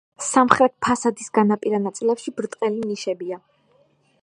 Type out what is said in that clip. სამხრეთ ფასადის განაპირა ნაწილებში ბრტყელი ნიშებია.